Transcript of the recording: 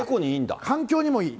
環境にもいい。